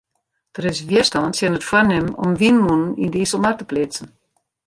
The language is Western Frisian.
Der is wjerstân tsjin it foarnimmen om wynmûnen yn de Iselmar te pleatsen.